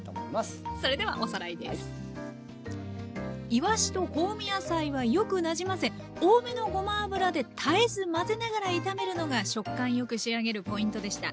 いわしと香味野菜はよくなじませ多めのごま油で絶えず混ぜながら炒めるのが食感よく仕上げるポイントでした。